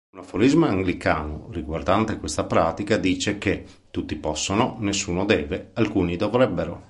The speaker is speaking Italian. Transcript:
Un aforisma anglicano riguardante questa pratica dice che "tutti possono, nessuno deve, alcuni dovrebbero".